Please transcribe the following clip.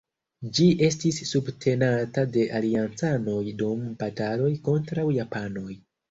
Ĝi estis subtenata de aliancanoj dum bataloj kontraŭ japanoj.